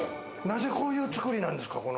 なぜ、こういう作りなんですか？